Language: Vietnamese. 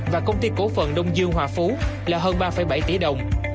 và công ty cổ phận đông dương hòa phú là hơn ba bảy tỷ đồng